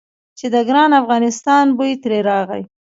چې د ګران افغانستان بوی ترې راغی.